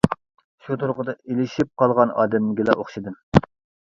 شۇ تۇرقىدا ئېلىشىپ قالغان ئادەمگىلا ئوخشىدىم.